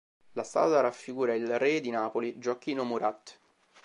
La statua raffigura il re di Napoli Gioacchino Murat.